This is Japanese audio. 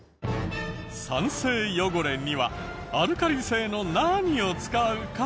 酸性汚れにはアルカリ性の何を使うか？